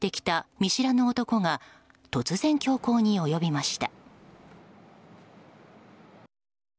見知らぬ男が突然、凶行に及びました。